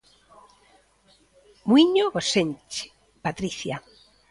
Muíño Gosenxe, Patricia.